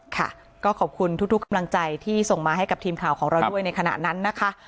ค่ะก็ขอบคุณทุกกำลังใจที่ส่งมาให้กับทีมข่าวของเราด้วยในขณะนั้นนะคะ